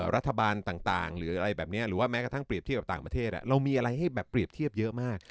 รัฐบาลต่างหรืออะไรแบบนี้หรือว่าแม้กระทั่งเปรียบเทียบกับต่างประเทศเรามีอะไรให้แบบเปรียบเทียบเยอะมาก